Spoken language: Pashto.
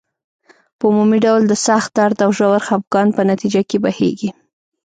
په عمومي ډول د سخت درد او ژور خپګان په نتیجه کې بهیږي.